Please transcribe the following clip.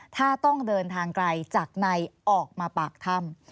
ถ้าต้องเดินทางไกลจากในออกมาปากถ้ำ